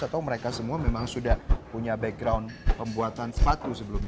atau mereka semua memang sudah punya background pembuatan sepatu sebelumnya